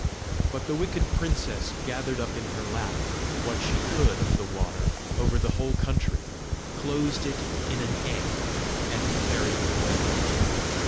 But the wicked princess gathered up in her lap what she could of the water over the whole country, closed it in an egg, and carried it away.